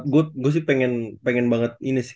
gue sih pengen banget ini sih